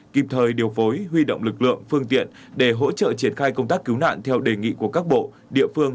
kịp thời điều phối huy động lực lượng phương tiện để hỗ trợ triển khai công tác cứu nạn theo đề nghị của các bộ địa phương